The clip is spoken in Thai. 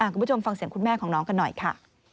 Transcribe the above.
คุณผู้ชมฟังเสียงคุณแม่ของน้องกันหน่อยค่ะ